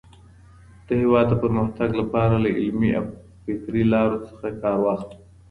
د هېواد د پرمختګ لپاره له علمي او فکري لارو څخه کار واخلئ.